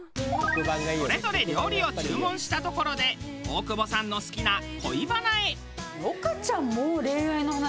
それぞれ料理を注文したところで大久保さんの好きな恋バナへ。